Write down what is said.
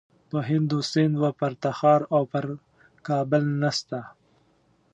په هند و سند و پر تخار او پر کابل نسته.